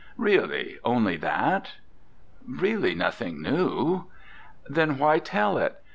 "Really only that?" "Really nothing new." "Then why tell it?